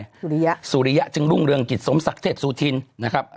สุริยะสุริยะจึงรุ่งเรืองกิจสมศักดิ์เทพสุธินนะครับ